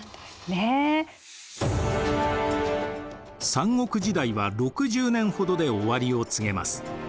三国時代は６０年ほどで終わりを告げます。